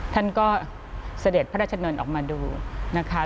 ท่านก็เสด็จพระราชดำเนินออกมาดูนะคะ